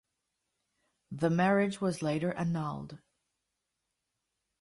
The marriage was later annulled.